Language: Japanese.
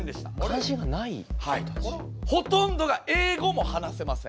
ほとんどが英語も話せません。